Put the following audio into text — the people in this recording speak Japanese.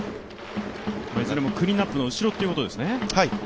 いずれもクリーンナップの後ろということですね。